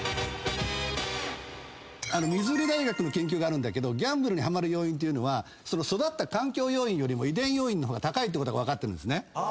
ミズーリ大学の研究があるんだけどギャンブルにハマる要因というのはその育った環境要因よりも遺伝要因の方が高いってことが分かってるんですね。